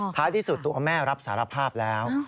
ท้ายที่สุดตัวแม่รับสารภาพแล้ว